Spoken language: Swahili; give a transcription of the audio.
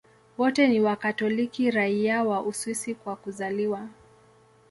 Wote ni Wakatoliki raia wa Uswisi kwa kuzaliwa.